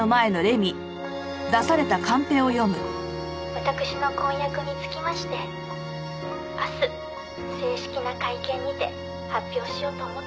「わたくしの婚約につきまして明日正式な会見にて発表しようと思っております」